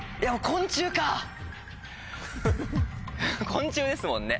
昆虫ですもんね。